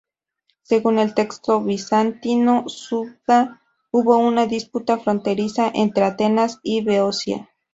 Según el texto bizantino "Suda", hubo una disputa fronteriza entre Atenas y Beocia.